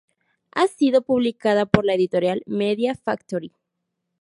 Ha sido publicada por la editorial Media Factory.